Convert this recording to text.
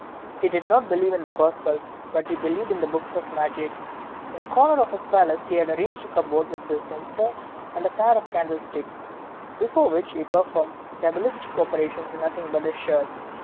He did not believe in the Gospels, but he believed in books of magic. In a corner of his palace he had arranged a cupboard with a censer and a pair of candlesticks, before which he performed cabalistic operations in nothing but his shirt.